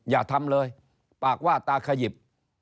อย่าทำเลยปากว่าตาขยิบ